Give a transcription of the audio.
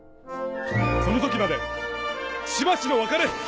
その時までしばしの別れ！